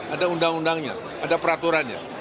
ada undang undangnya ada peraturannya